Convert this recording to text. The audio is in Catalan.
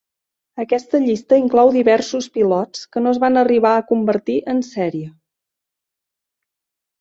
Aquesta llista inclou diversos pilots que no es van arribar a convertir en sèrie.